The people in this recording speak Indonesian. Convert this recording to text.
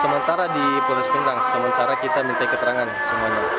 sementara di polres pindrang sementara kita minta keterangan semuanya